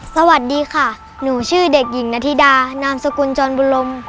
สวัสดีค่ะหนูชื่อเด็กหญิงนาธิดานามสกุลจรบุญรม